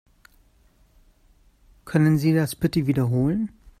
Können Sie das bitte wiederholen?